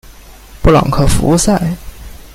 布朗克福塞。